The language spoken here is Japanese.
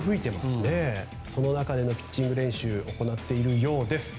その中でのピッチング練習行っているようです。